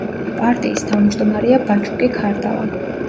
პარტიის თავმჯდომარეა ბაჩუკი ქარდავა.